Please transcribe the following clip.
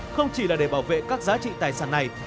không chỉ là để bảo vệ các giá trị tài sản này